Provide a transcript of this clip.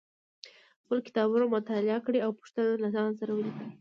خپل کتابونه مطالعه کړئ او پوښتنې له ځان سره ولیکئ